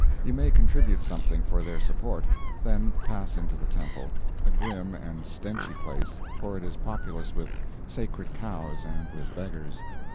You may contribute something for their support; then pass into the temple, a grim and stenchy place, for it is populous with sacred cows and with beggars.